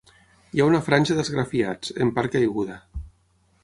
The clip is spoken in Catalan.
Hi ha una franja d'esgrafiats, en part caiguda.